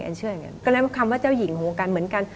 แกนิคอลัยแล้วคำว่าเจ้าหญิงโหลการเหมือนกัน